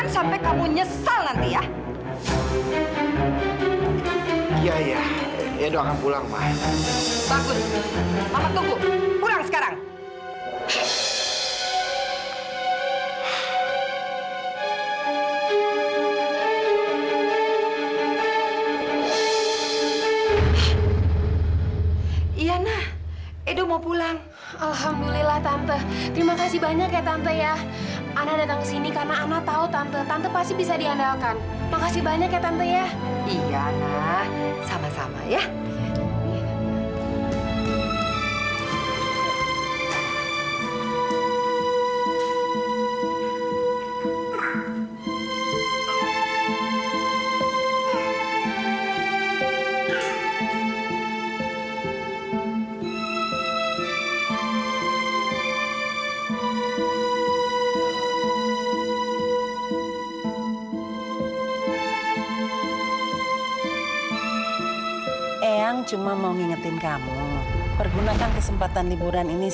sekaligus memanfaatkan kebersamaan kamu sekaligus